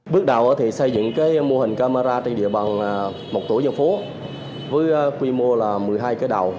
bước đầu thì xây dựng cái mô hình camera trên địa bàn một tổ dân phố với quy mô là một mươi hai cái đầu